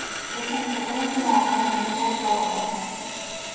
小さなところにも目を向けたいと思います。